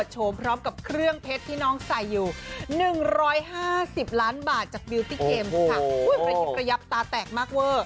ต่อพุธงานสำหรับมาสุด